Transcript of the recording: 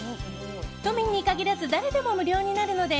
都民に限らず誰でも無料になるので